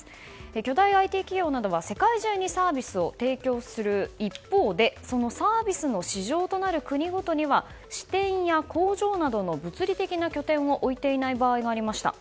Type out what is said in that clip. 巨大ＩＴ企業などは世界中にサービスを提供する一方でそのサービスの市場となる国ごとには支店や工場などの物理的な拠点を置いていない場合がありました。